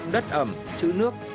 đất ẩm chữ nước